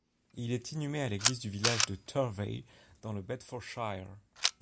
Il est inhumé à l'église du village de Turvey, dans le Bedfordshire.